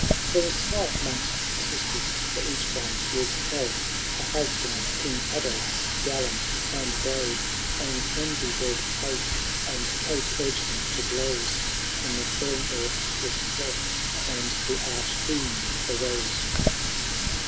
There was strife *moogBt the sisters, for each one would have For husband King Adolf, the gallant and brave ; And envy bred hate, and hate urged them to blows^ When the firm earth was deft, and the Arch*fiend arose!